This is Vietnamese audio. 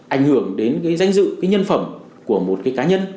ảnh hưởng đến cái danh dự cái nhân phẩm của một cái cá nhân